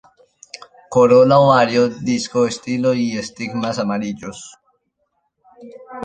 Corola, ovario, disco, estilo y estigmas amarillos.